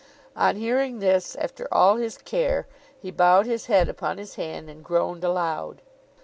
On hearing this, after all his care, he bowed his head upon his hand and groaned aloud.